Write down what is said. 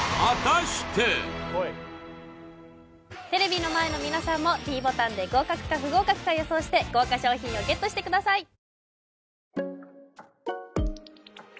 テレビの前の皆さんもｄボタンで合格か不合格か予想して豪華賞品をＧＥＴしてください